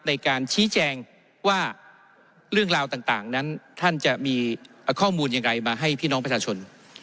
ในการชี้แจงว่าเรื่องราวต่างนั้นท่านจะมีข้อมูลยังไงมาให้พี่น้องประชาชน